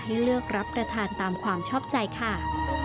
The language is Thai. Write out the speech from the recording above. เลือกรับประทานตามความชอบใจค่ะ